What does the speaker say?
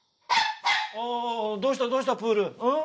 どうしたどうしたプールんっ？